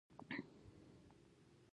تیریدل زده کړئ